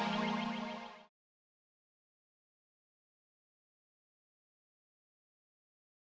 aku mau ke rumah